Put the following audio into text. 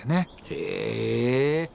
へえ。